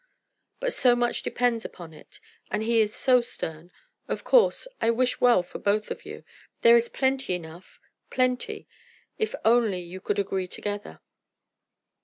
"But so much depends upon it; and he is so stern. Of course, I wish well for both of you. There is plenty enough, plenty; if only you could agree together."